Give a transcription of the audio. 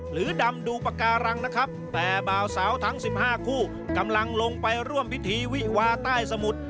ดำดูปากการังนะครับแต่บ่าวสาวทั้ง๑๕คู่กำลังลงไปร่วมพิธีวิวาใต้สมุทร